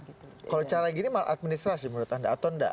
kalau cara gini maladministrasi menurut anda atau enggak